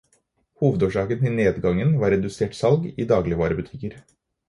Hovedårsaken til nedgangen var redusert salg i dagligvarebutikker.